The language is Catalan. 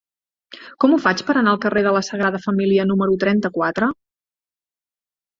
Com ho faig per anar al carrer de la Sagrada Família número trenta-quatre?